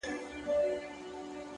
تمرکز بریا ته مستقیمه لاره جوړوي.